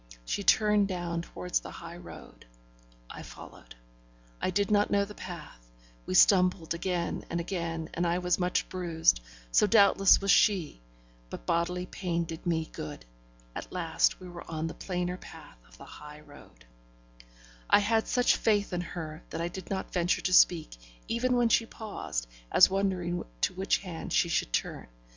She turned down towards the high road; I followed. I did not know the path; we stumbled again and again, and I was much bruised; so doubtless was she; but bodily pain did me good. At last, we were on the plainer path of the high road. I had such faith in her that I did not venture to speak, even when she paused, as wondering to which hand she should turn.